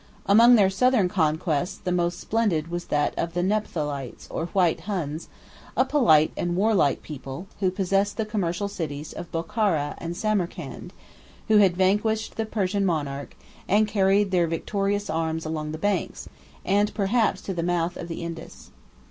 27 Among their southern conquests the most splendid was that of the Nephthalites, or white Huns, a polite and warlike people, who possessed the commercial cities of Bochara and Samarcand, who had vanquished the Persian monarch, and carried their victorious arms along the banks, and perhaps to the mouth, of the Indus.